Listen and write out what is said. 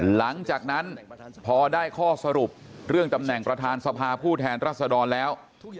หลังจากนั้นพอได้ข้อสรุปเรื่องตำแหน่งประธานสภาผู้แทนรัศดรแล้ว